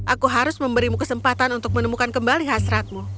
aku harus memberimu kesempatan untuk menemukan kembali hasratmu